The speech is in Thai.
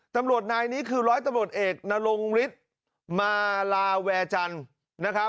ตำรวจนายนี้คือร้อยตำรวจเอกนรงฤทธิ์มาลาแวจันทร์นะครับ